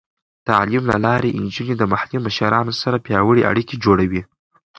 د تعلیم له لارې، نجونې د محلي مشرانو سره پیاوړې اړیکې جوړوي.